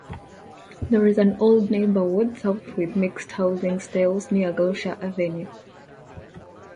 There is an "old neighborhood", south, with mixed housing styles near Galusha Avenue.